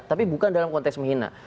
tapi bukan dalam konteks menghina